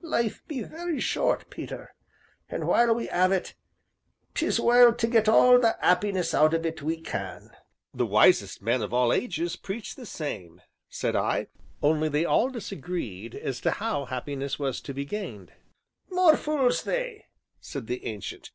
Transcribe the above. Life be very short, Peter, an' while we 'ave it 'tis well to get all the 'appiness out of it we can." "The wisest men of all ages preached the same," said I, "only they all disagreed as to how happiness was to be gained." "More fules they!" said the Ancient.